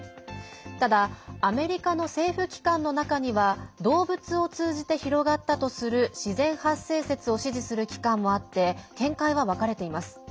ただ、アメリカの政府機関の中には動物を通じて広がったとする自然発生説を支持する機関もあって見解は分かれています。